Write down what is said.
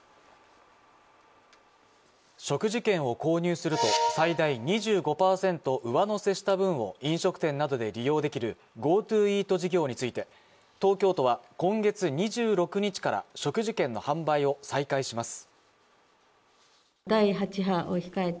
食事券を購入すると最大２５％上乗せした分を飲食店などで利用できるＧｏＴｏイート事業について、東京都は今月２６日から食事券の販売を再開します。